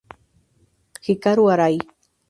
Hikaru Arai